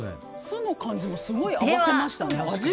酢の感じもすごい合わせましたね。